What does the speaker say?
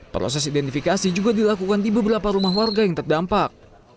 proses identifikasi juga dilakukan di beberapa rumah warga yang terdampak